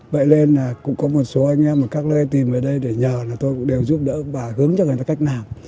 vậy nên là cũng có một số anh em và các lễ tìm ở đây để nhờ là tôi cũng đều giúp đỡ và hướng cho người ta cách nào